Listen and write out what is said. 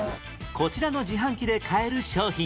こちらの自販機で買える商品